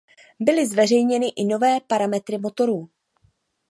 Byly zveřejněny i nové parametry motorů.